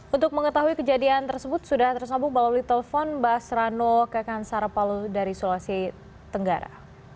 untuk mengetahui kejadian tersebut sudah tersambung melalui telepon mbak srano kekansara palu dari sulawesi tenggara